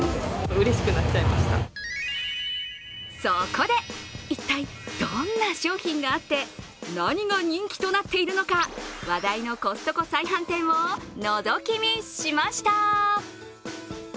そこで、一体どんな商品があって何が人気となっているのか、話題のコストコ再販店をのぞき見しました。